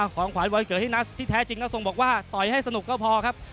ของขวานวันเกิดให้นัสที่แท้จริงแล้วทรงบอกว่าต่อยให้สนุกก็พอครับ